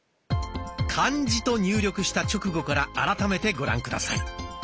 「漢字」と入力した直後から改めてご覧下さい。